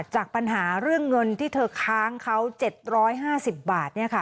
จากปัญหาเรื่องเงินที่เธอค้างเขา๗๕๐บาท